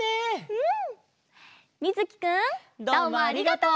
うん。